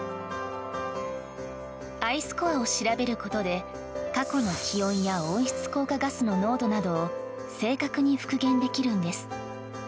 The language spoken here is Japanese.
アイスコアを調べることで過去の気温や温室効果ガスの濃度などを正確に復元できるんです。